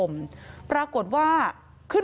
ศพที่สอง